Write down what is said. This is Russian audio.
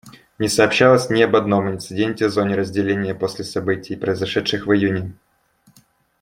Не сообщалось ни об одном инциденте в зоне разделения после событий, произошедших в июне.